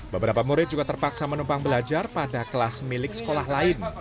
beberapa murid juga terpaksa menumpang belajar pada kelas milik sekolah lain